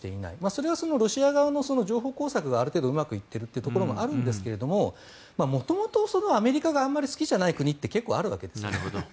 それはロシア側の情報工作がある程度うまくいっているというところもあるんですが元々アメリカがあんまり好きじゃない国って結構あるわけですね。